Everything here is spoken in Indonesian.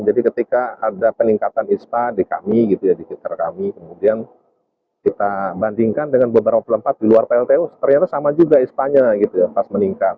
jadi ketika ada peningkatan ispa di kami di sekitar kami kemudian kita bandingkan dengan beberapa tempat di luar pltu ternyata sama juga ispanya pas meningkat